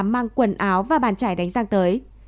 mang quần áo và bàn chải đánh giang tới